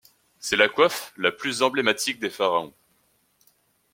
C'est la coiffe la plus emblématique des pharaons.